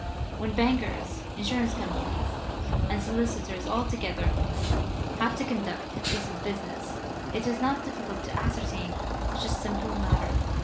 When bankers, insurance companies, and solicitors altogether have to conduct a piece of business it is not difficult to ascertain such a simple matter.